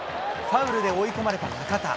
ファウルで追い込まれた中田。